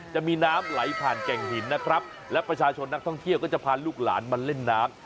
จะมีน้ำไหลผ่านแก่งหินนะครับและประชาชนนักท่องเที่ยวก็จะพาลูกหลานมาเล่นน้ำ